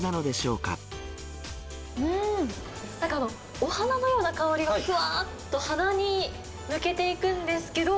うーん、なんかお花のような香りがふわっと鼻に抜けていくんですけど。